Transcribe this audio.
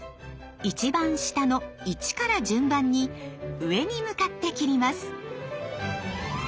一番下の１から順番に上に向かって切ります。